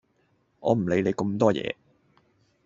我唔理你咁多嘢